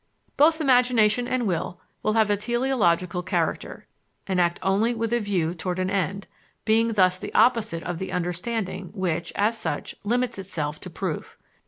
Both imagination and will have a teleological character, and act only with a view toward an end, being thus the opposite of the understanding, which, as such, limits itself to proof.